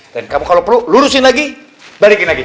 dan kamu kalau perlu lurusin lagi balikin lagi